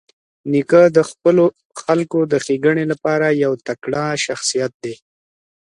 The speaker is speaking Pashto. نیکه د خپلو خلکو د ښېګڼې لپاره یو تکړه شخصیت دی.